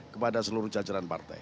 kepada seluruh jajaran partai